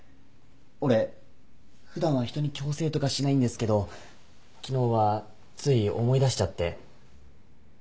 俺普段は人に強制とかしないんですけど昨日はつい思い出しちゃって。